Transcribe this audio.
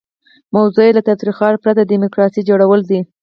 موضوع یې له تاوتریخوالي پرته د ډیموکراسۍ جوړول دي.